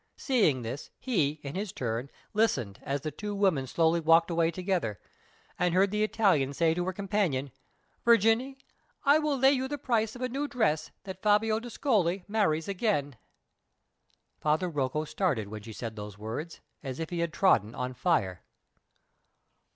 Seeing this, he, in his turn, listened as the two women slowly walked away together, and heard the Italian say to her companion: "Virginie, I will lay you the price of a new dress that Fabio d'Ascoli marries again." Father Rocco started when she said those words, as if he had trodden on fire.